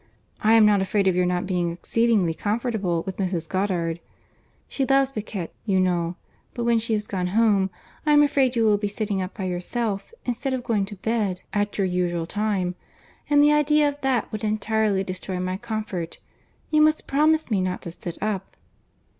I am not afraid of your not being exceedingly comfortable with Mrs. Goddard. She loves piquet, you know; but when she is gone home, I am afraid you will be sitting up by yourself, instead of going to bed at your usual time—and the idea of that would entirely destroy my comfort. You must promise me not to sit up."